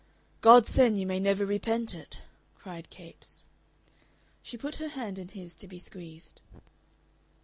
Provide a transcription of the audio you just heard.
"God send you may never repent it!" cried Capes. She put her hand in his to be squeezed.